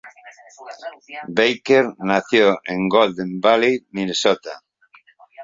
Baker nació en Golden Valley, Minnesota.